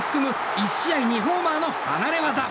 １試合２ホーマーの離れ業。